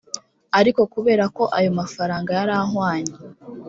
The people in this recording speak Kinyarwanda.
ariko kubera ko ayo mafaranga yari ahwanye